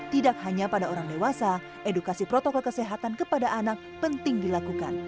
tidak hanya pada orang dewasa edukasi protokol kesehatan kepada anak penting dilakukan